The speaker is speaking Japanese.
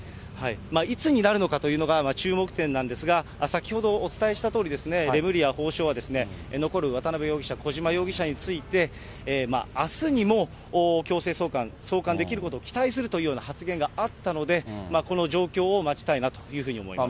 いつになるのかというのが、注目点なんですが、先ほどお伝えしたとおり、レムリヤ法相は残る渡辺容疑者、小島容疑者について、あすにも強制送還、送還できることを期待するというような発言があったので、この状況を待ちたいなというふうに思います。